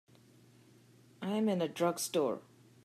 I'm in a drugstore.